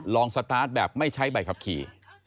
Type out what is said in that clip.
สตาร์ทแบบไม่ใช้ใบขับขี่